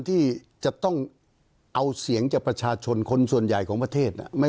ที่จะต้องเอาเสียงจากประชาชนคนส่วนใหญ่ของประเทศ